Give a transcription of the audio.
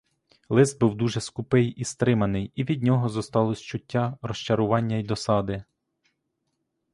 Лист був дуже скупий і стриманий, і від нього зосталось чуття розчарування й досади.